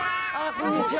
こんにちは。